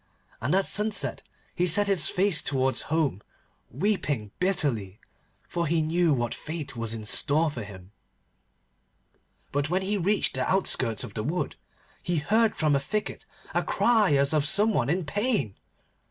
And at sunset he set his face towards home, weeping bitterly, for he knew what fate was in store for him. But when he had reached the outskirts of the wood, he heard from a thicket a cry as of some one in pain.